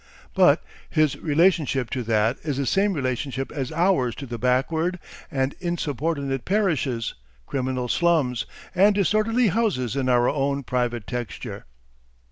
But his relationship to that is the same relationship as ours to the backward and insubordinate parishes, criminal slums, and disorderly houses in our own private texture.